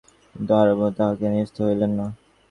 কিন্তু হারানবাবু তাহাতে নিরস্ত হইলেন না।